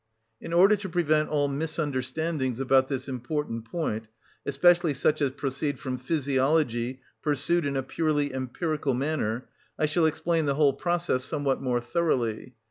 In order to prevent all misunderstandings about this important point, especially such as proceed from physiology pursued in a purely empirical manner, I shall explain the whole process somewhat more thoroughly.